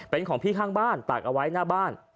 เป็นของพี่ข้างบ้านตากเอาไว้หน้าบ้าน